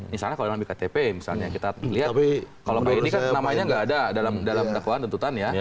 misalnya kalau dalam iktp misalnya kita lihat kalau pak edi kan namanya nggak ada dalam dakwaan tentutannya